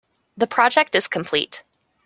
The project is complete.